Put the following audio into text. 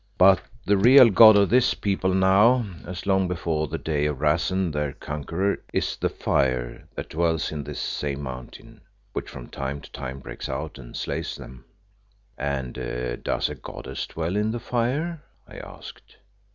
But the real god of this people now, as long before the day of Rassen their conqueror, is the fire that dwells in this same Mountain, which from time to time breaks out and slays them." "And does a goddess dwell in the fire?" I asked.